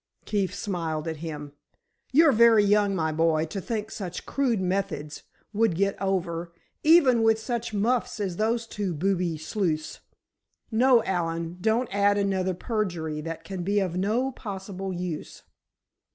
Keefe smiled at him. "You're very young, my boy, to think such crude methods would get over, even with such muffs as those two booby sleuths! No, Allen, don't add another perjury that can be of no possible use.